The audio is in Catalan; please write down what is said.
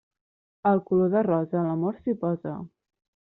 Al color de rosa, l'amor s'hi posa.